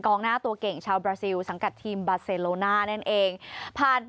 อันนี้อาจจะยากกว่าที่คิด